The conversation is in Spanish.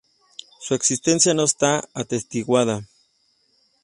Su existencia no está atestiguada.